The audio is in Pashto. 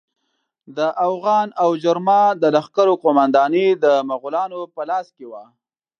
د اوغان او جرما د لښکرو قومانداني د مغولانو په لاس کې وه.